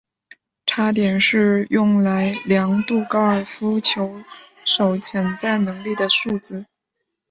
差点是用来量度高尔夫球手潜在能力的数值。